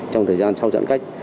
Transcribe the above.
trong thời gian sau giãn cách